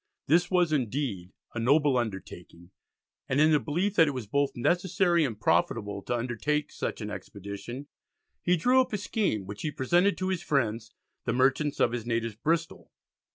This was indeed a noble undertaking, and in the belief that it was both necessary and profitable to undertake such an expedition, he drew up a scheme which he presented to his friends, the merchants of his native Bristol.